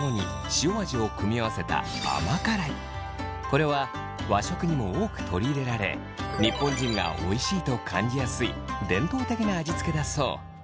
これは和食にも多く取り入れられ日本人がおいしいと感じやすい伝統的な味付けだそう。